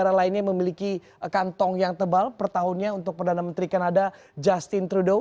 yang lainnya memiliki kantong yang tebal pertahunnya untuk perdana menteri kanada justin trudeau